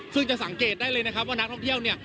ซึ่งจะสังเกตได้เลยนะครับว่านักท่องเที่ยวเนี่ย